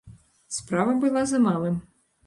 Справа была за малым.